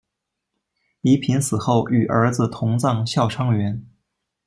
宜嫔死后与儿子同葬孝昌园。